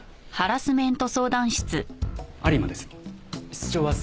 有馬です。